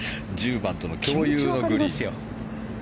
１０番との共有グリーン。